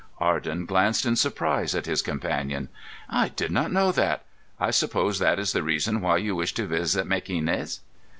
Arden glanced in surprise at his companion. "I did not know that. I suppose that is the reason why you wish to visit Mequinez?"